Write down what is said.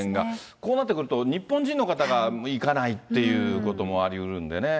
こうなってくると、日本人の方が行かないということもありうるんでね。